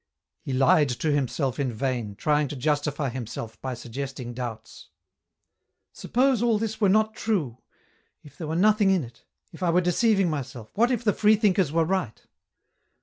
He lied to himself in vain, trying to justify himself by suggesting doubts. " Suppose all this were not true, if there were nothing in it, if I were deceiving myself, what if the freethinkers were right